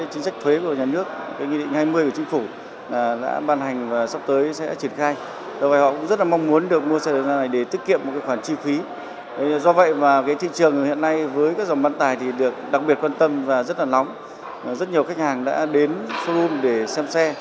rất nhiều khách hàng đã đến forum để xem xe